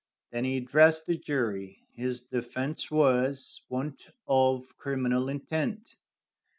Then he addressed the jury. His defense was, want of criminal intent.